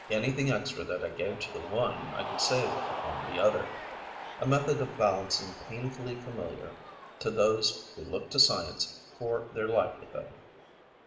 Anything extra that I gave to the one I could save upon the other; a method of balancing painfully familiar to those who look to science for their livelihood.